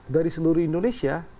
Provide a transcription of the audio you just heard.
dari seluruh indonesia